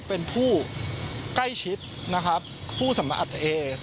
๑เป็นผู้ใกล้ชิดผู้สมอัตรอ่อย